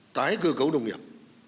tái cư cấu nông nghiệp